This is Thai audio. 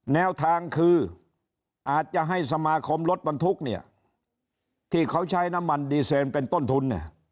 แนวทางคืออาจจะให้สมาคมรถบรรทุกเนี่ยที่เขาใช้น้ำมันดีเซนเป็นต้นทุนเนี่ย